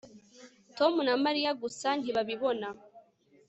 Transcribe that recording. Tom na Mariya gusa ntibabibona